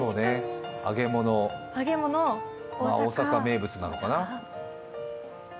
揚げ物、大阪名物なのかな。